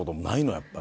やっぱり。